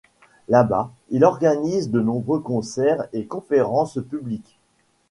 Là-bas, il organise de nombreux concerts et conférences publiques.